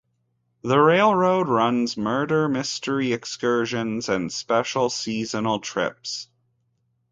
The railroad also runs murder mystery excursions and special seasonal trips.